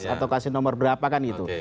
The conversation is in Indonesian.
atau kasih nomor berapa kan gitu